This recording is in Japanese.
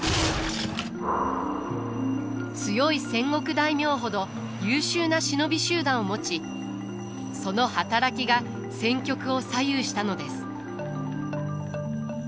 強い戦国大名ほど優秀な忍び集団を持ちその働きが戦局を左右したのです。